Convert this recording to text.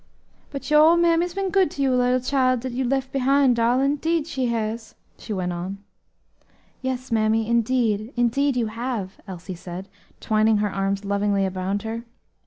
"But your ole mammy's been good to your little chile dat you lef' behind, darlin','deed she has," she went on. "Yes, mammy, indeed, indeed you have," Elsie said, twining her arms lovingly around her.